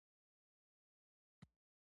زده کوونکي دې د ملي یووالي په مفهوم خبرې وکړي.